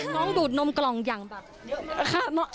น้องดูดนมกล่องอย่างกระขาด